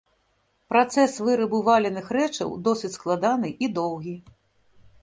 Працэс вырабу валяных рэчаў досыць складаны і доўгі.